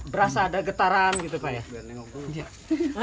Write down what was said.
berasa ada getaran gitu pak ya